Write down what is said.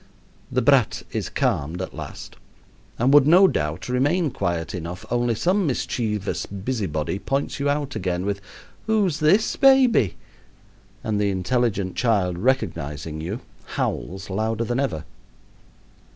The brat is calmed at last, and would no doubt remain quiet enough, only some mischievous busybody points you out again with "Who's this, baby?" and the intelligent child, recognizing you, howls louder than ever.